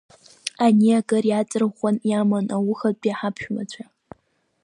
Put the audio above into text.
Ани акыр еиҵарӷәӷәаны иаман аухатәи ҳаԥшәмацәа.